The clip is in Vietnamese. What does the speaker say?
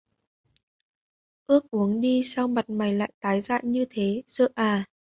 Uống nước đi sao mặt mày lại tái dại như thế Sợ à